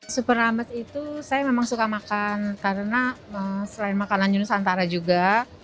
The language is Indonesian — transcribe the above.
super rames itu saya memang suka makan karena selain makanan yunus antara juga